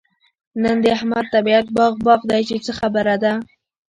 نن د احمد طبيعت باغ باغ دی؛ چې څه خبره ده؟